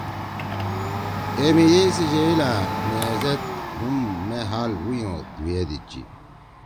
”اے مھی یِئی سی جئیلأ! مھیزید ہُم مے حال ڙُوئں او دُھو ئے دیِدچی۔“